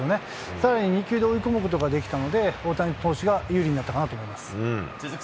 さらに２球で追い込むことができたので、大谷投手が有利になった続く